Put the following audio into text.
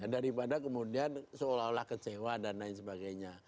daripada kemudian seolah olah kecewa dan lain sebagainya